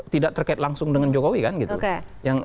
tidak terkait langsung dengan jokowi kan gitu